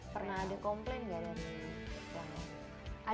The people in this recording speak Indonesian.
pernah di komplain gak ya di jualan